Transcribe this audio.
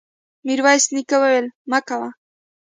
ميرويس نيکه وويل: مه کوه!